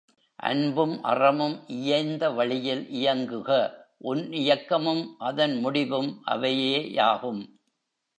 அன்பும் அறமும் இயைந்த வழியில் இயங்குக உன் இயக்கமும் அதன் முடிவும் அவையேயாகும்.